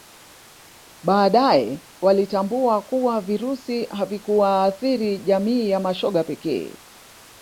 Baadae walitambua kuwa Virusi havikuwaathiri jamii ya mashoga pekee